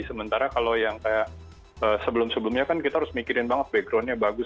sementara kalau yang kayak sebelum sebelumnya kan kita harus mikirin banget backgroundnya bagus